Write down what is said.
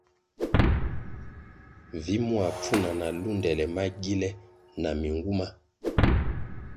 Vi mua pfuna na lundele magile na minwuma.